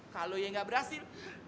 kalo eka gak berhasil